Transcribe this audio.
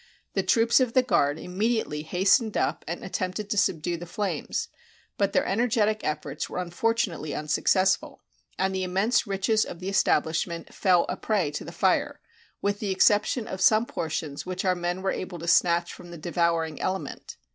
The troops of the guard immediately hastened up and attempted to subdue the flames, but their energetic efforts were unfortunately un successful, and the immense riches of the establish ment fell a prey to the fire, with the exception of some portions which our men were able to snatch from the devouring element.